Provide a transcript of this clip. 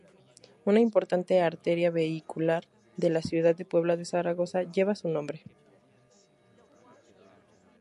Una importante arteria vehicular de la ciudad de Puebla de Zaragoza lleva su nombre.